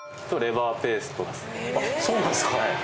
あそうなんっすか？